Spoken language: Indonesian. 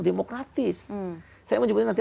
demokratis saya menyebutkan nanti